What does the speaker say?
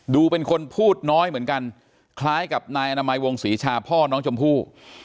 เป็นคนพูดน้อยเหมือนกันคล้ายกับนายอนามัยวงศรีชาพ่อน้องชมพู่